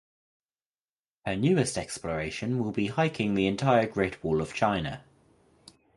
Her newest exploration will be hiking the entire Great Wall of China.